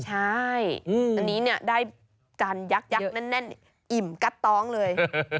ใช่อันนี้ได้การยักษ์แน่อิ่มกั๊ดต้องเลย